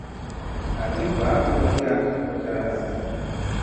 Agi va a kogiya ko cara na.